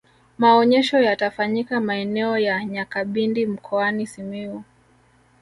maonyesho yatafanyika maeneo ya nyakabindi mkoani simiyu